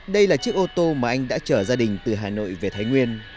đây là chiếc ô tô mà anh đã chở gia đình từ hà nội về thái nguyên